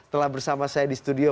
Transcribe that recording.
telah bersama saya di studio